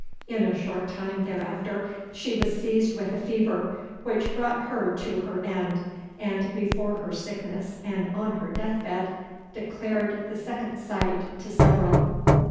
In a short time thereafter she was seized with a fever, which brought her to her end, and before her sickness and on her deathbed, declared the second sight to several."